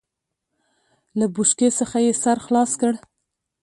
له بوشکې څخه يې سر خلاص کړ.